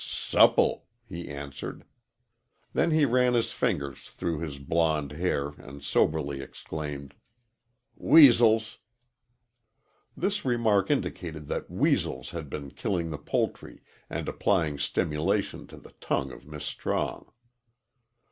"S supple!" he answered. Then he ran his fingers through his blond hair and soberly exclaimed, "Weasels!" This remark indicated that weasels had been killing the poultry and applying stimulation to the tongue of Miss Strong.